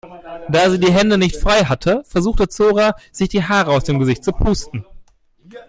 Da sie die Hände nicht frei hatte, versuchte Zora sich die Haare aus dem Gesicht zu pusten.